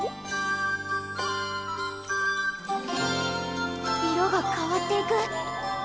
心の声色が変わっていく！